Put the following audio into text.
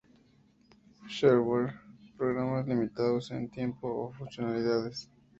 Shareware: programas limitados en tiempo o en funcionalidades.